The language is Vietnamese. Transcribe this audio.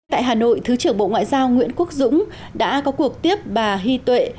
tại hà nội thứ trưởng bộ ngoại giao nguyễn quốc dũng đã có cuộc tiếp bà hy tuệ